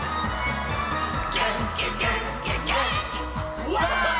「げんきげんきげんきわー！」